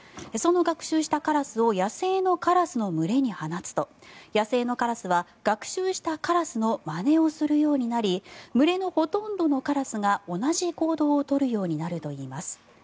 その学習したカラスを野生のカラスの群れに放つと野生のカラスは学習したカラスのまねをするようになり群れのほとんどのカラスが同じ行動を取るようになるといいます。